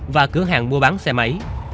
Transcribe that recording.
và cửa hàng mua bán xe máy